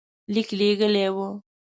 لیک لېږلی وو.